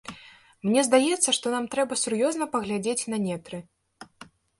Мне здаецца, што нам трэба сур'ёзна паглядзець на нетры.